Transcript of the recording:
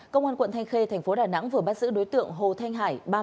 công an quận thanh khê thành phố đà nẵng vừa bắt giữ đối tượng hồ thanh hải